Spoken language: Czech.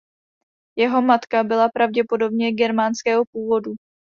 Jeho matka byla pravděpodobně germánského původu.